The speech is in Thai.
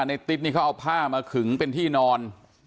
ติ๊บนี่เขาเอาผ้ามาขึงเป็นที่นอน